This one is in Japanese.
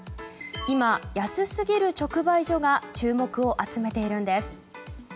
今、安すぎる直売所が注目を集めているんです。